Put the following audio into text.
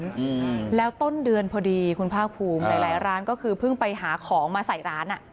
อืมแล้วต้นเดือนพอดีคุณภาคภูมิหลายหลายร้านก็คือเพิ่งไปหาของมาใส่ร้านอ่ะ